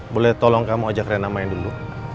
boleh tolong kamu ajak rena main dulu